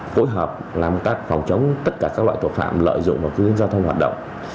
phối hợp làm tắt phòng chống tất cả các loại tội phạm lợi dụng vào quy trình giao thông hoạt động